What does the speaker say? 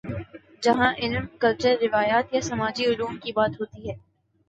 جہاں علم، کلچر، روایت یا سماجی علوم کی بات ہوتی ہے۔